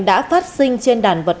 đã phát sinh trên đàn vật